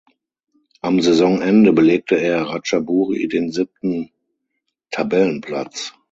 Am Saisonende belegte er Ratchaburi den siebten Tabellenplatz.